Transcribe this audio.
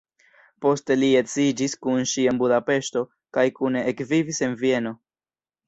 Poste li edziĝis kun ŝi en Budapeŝto kaj kune ekvivis en Vieno.